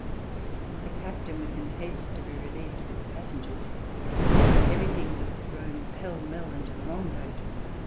The Captain was in haste to be relieved of his passengers. Everything was thrown pell mell into the long boat.